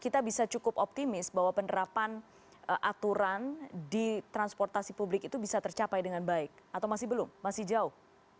kita bisa cukup optimis bahwa penerapan aturan di transportasi publik itu bisa tercapai dengan baik atau masih belum masih jauh